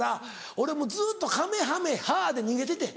俺もうずっと「かめはめハ」で逃げててん。